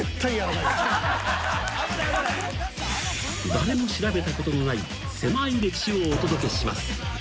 ［誰も調べたことのないせまい歴史をお届けします］